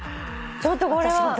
ちょっとこれは。